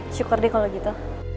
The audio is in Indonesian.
syukur deh kalo gitu